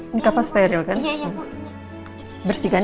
ini kapal stereo kan